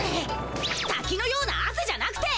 たきのようなあせじゃなくて。